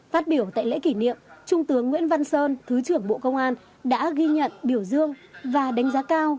phát biểu tại lễ kỷ niệm trung tướng nguyễn văn sơn thứ trưởng bộ công an đã ghi nhận biểu dương và đánh giá cao